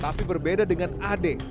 tapi berbeda dengan ade